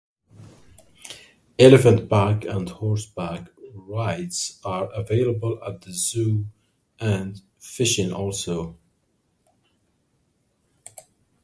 Elephant-back and horse-back rides are available at the zoo and fishing also.